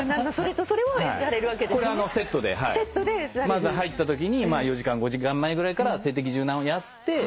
まず入ったときに４時間５時間前ぐらいから静的柔軟をやって。